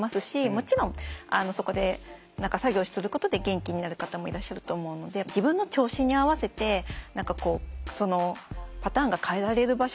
もちろんそこで何か作業することで元気になる方もいらっしゃると思うので自分の調子に合わせて何かこうそのパターンが変えられる場所